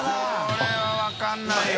これは分からないよ。